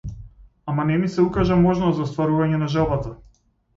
Ама не ми се укажа можност за остварување на желбата.